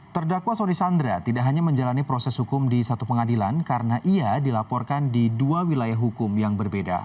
terdakwa soni sandra tidak hanya menjalani proses hukum di satu pengadilan karena ia dilaporkan di dua wilayah hukum yang berbeda